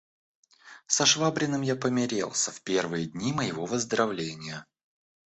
Со Швабриным я помирился в первые дни моего выздоровления.